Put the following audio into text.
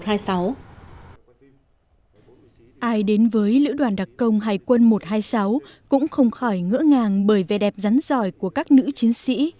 ai đến với lữ đoàn đặc công hải quân một trăm hai mươi sáu cũng không khỏi ngỡ ngàng bởi vẻ đẹp rắn giỏi của các nữ chiến sĩ